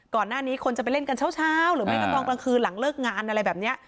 ก่อนหน้านี้คนจะไปเล่นกันเช้าหรือไม่ก็ตอนกลางคืนหลังเลิกงานอะไรแบบนี้